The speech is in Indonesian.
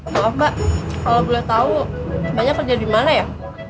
maaf mbak kalau boleh tahu banyak kerja di mana ya